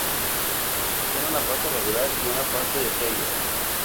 Tiene una fase regular y una fase de playoffs.